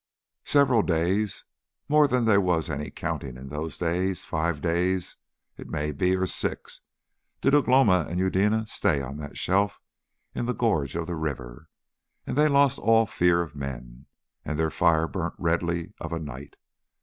Several days, more than there was any counting in those days, five days, it may be, or six, did Ugh lomi and Eudena stay on that shelf in the gorge of the river, and they lost all fear of men, and their fire burnt redly of a night.